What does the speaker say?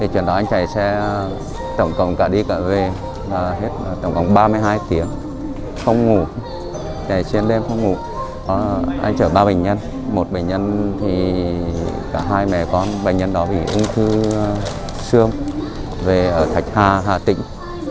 trận đó anh chạy xe tổng cộng cả đi cả về hết tổng cộng ba mươi hai tiếng không ngủ chạy xuyên đêm không ngủ anh chở ba bệnh nhân một bệnh nhân thì cả hai mẹ con bệnh nhân đó bị ung thư xương về ở thạch hà hà tĩnh